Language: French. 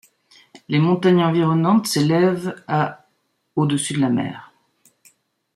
Les montagnes environnantes s'élèvent à au-dessus de la mer.